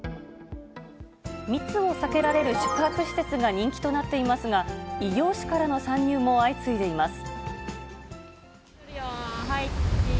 密を避けられる宿泊施設が人気となっていますが、異業種からの参入も相次いでいます。